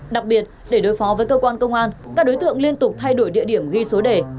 đặc biệt để đối phó với cơ quan công an các đối tượng liên tục thay đổi địa điểm ghi số đề